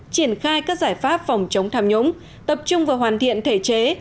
triển khai các giải pháp phòng chống tham nhũng tập trung vào hoàn thiện thể chế